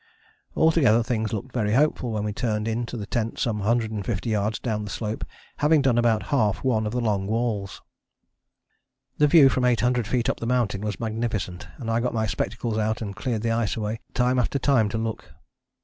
Altogether things looked very hopeful when we turned in to the tent some 150 yards down the slope, having done about half one of the long walls." The view from eight hundred feet up the mountain was magnificent and I got my spectacles out and cleared the ice away time after time to look.